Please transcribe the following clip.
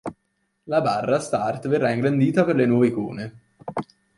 La barra start verrà ingrandita per le nuove icone.